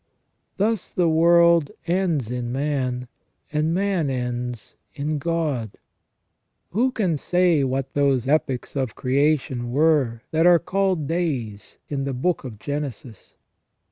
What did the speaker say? Thus the world ends in man, and man ends in God. Who can say what those epochs of creation were that are called CREATION AND PROVIDENCE. 93 days in the book of Genesis?